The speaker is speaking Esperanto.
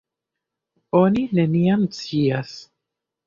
Oni neniam scias.